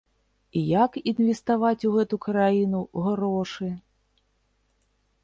І як інвеставаць у гэту краіну грошы?!